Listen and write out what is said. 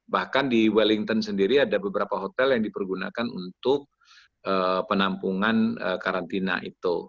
bahkan di wellington sendiri ada beberapa hotel yang dipergunakan untuk penampungan karantina itu